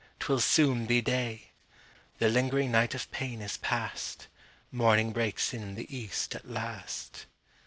'twill soon be day;" The lingering night of pain is past, Morning breaks in the east at last.